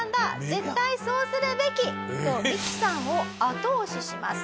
絶対そうするべき！」とミキさんを後押しします。